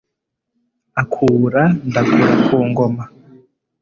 akura ndagura ku ngoma